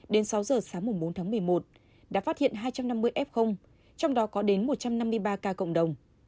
đến sáu giờ sáng bốn tháng một mươi một đã phát hiện hai trăm năm mươi f trong đó có đến một trăm năm mươi ba ca cộng đồng